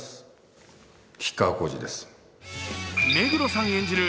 目黒さん演じる